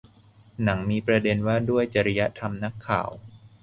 หนังมีประเด็นว่าด้วยจริยธรรมนักข่าว